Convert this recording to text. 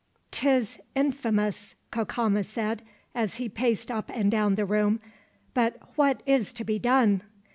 "'Tis infamous," Cacama said, as he paced up and down the room; "but what is to be done?